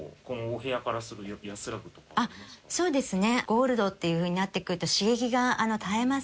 あっそうですね。